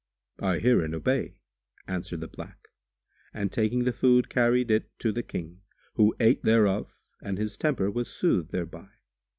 "I hear and obey," answered the black and taking the food carried it to the King, who ate thereof and his temper was soothed thereby.